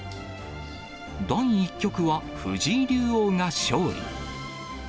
第１局は藤井竜王が勝利。